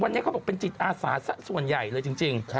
วันนี้เขาบอกเป็นจิตอาสาส่วนใหญ่เลยจริง